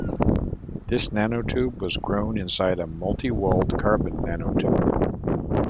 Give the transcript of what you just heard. This nanotube was grown inside a multi-walled carbon nanotube.